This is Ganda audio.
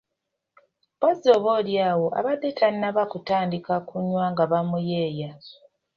Mpozzi oba oli awo abadde tannaba kutandika kunywa nga bamuyeeya.